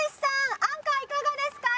アンカーいかがですか？